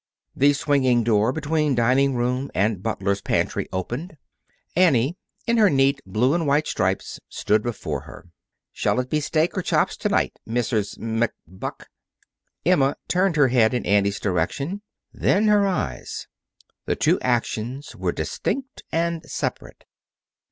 The swinging door between dining room and butler's pantry opened. Annie, in her neat blue and white stripes, stood before her. "Shall it be steak or chops to night, Mrs. Mc Buck?" Emma turned her head in Annie's direction then her eyes. The two actions were distinct and separate.